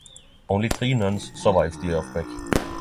Only three nuns survived the earthquake.